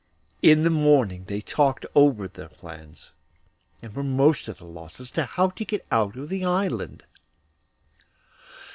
In the morning they talked over their plans, and were most at a loss to know how to get out of the island.